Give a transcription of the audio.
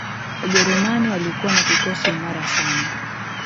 Ujerumani walikuwa na kikosi imara sana